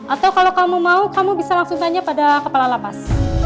atau kalau kamu mau kamu bisa langsung tanya pada kepala lapas